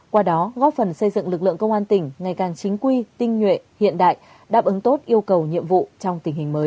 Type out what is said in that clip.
qua đó góp phần xây dựng lực lượng công an tỉnh ngày càng chính quy tinh nhuệ hiện đại đáp ứng tốt yêu cầu nhiệm vụ trong tình hình mới